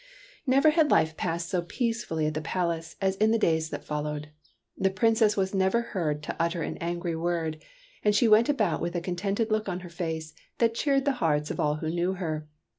Never had life passed so peacefully at the palace as in the days that followed. The Princess was never heard to utter an angry word, and she went about with a contented look on her face that cheered the hearts of all who knew her.